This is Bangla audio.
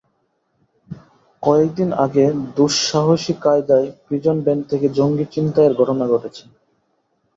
কয়েক দিন আগে দুঃসাহসী কায়দায় প্রিজন ভ্যান থেকে জঙ্গি ছিনতাইয়ের ঘটনা ঘটেছে।